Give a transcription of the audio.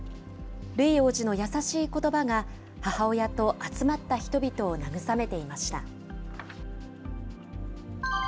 ルイ王子の優しいことばが、母親と集まった人々を慰めていました。